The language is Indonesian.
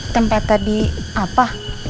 tempat tadi apa